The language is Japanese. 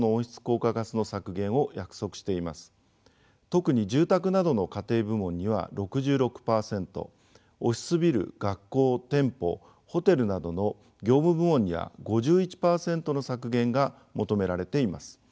特に住宅などの家庭部門には６６％オフィスビル学校店舗ホテルなどの業務部門には５１％の削減が求められています。